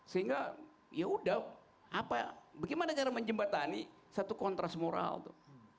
sehingga yaudah bagaimana cara menjembatani satu kontras moral tuh